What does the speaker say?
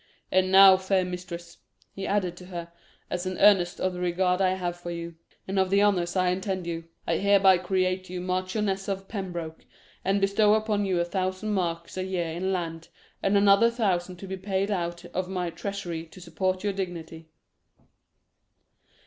"And now, fair mistress," he added to her, "as an earnest of the regard I have for you, and of the honours I intend you, I hereby create you Marchioness of Pembroke, and bestow upon you a thousand marks a year in land, and another thousand to be paid out of my treasury to support your dignity."